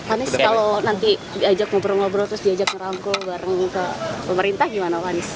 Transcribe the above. anies kalau nanti diajak ngobrol ngobrol terus diajak ngerangkul bareng ke pemerintah gimana pak anies